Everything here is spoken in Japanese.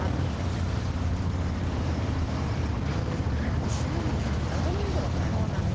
面白いもの、いっぱいあるんだね。